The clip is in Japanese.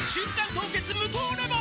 凍結無糖レモン」